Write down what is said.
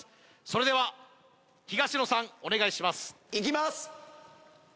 それでは東野さんお願いしますいきます